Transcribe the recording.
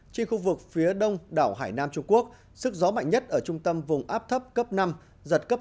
trên khu vực phía đông đảo hải nam trung quốc sức gió mạnh nhất ở trung tâm vùng áp thấp cấp năm giật cấp sáu